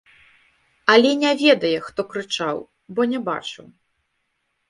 Але не ведае, хто крычаў, бо не бачыў.